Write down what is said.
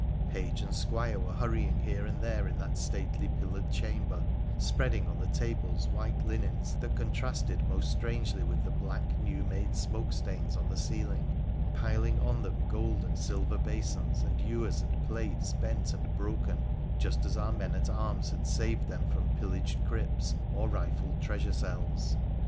Page and squire were hurrying here and there in that stately pillared chamber, spreading on the tables white linens that contrasted most strangely with the black, new made smoke stains on the ceiling ; piling on them gold and silver basins and ewers and plates bent and broken, just as our men at arms had saved them from pillaged crypts or rifled treasure cells.